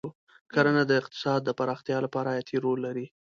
کرنه د اقتصاد د پراختیا لپاره حیاتي رول لري.